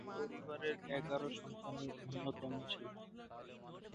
পরিবারের এগারো সন্তানের অন্যতম ছিলেন।